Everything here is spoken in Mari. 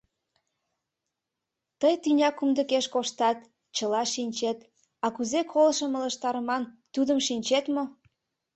— Тый тӱня кумдыкеш коштат, чыла шинчет, а кузе колышым ылыжтыман — тудым шинчет мо?